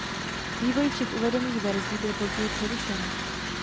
Vývoj všech uvedených verzí byl později přerušen.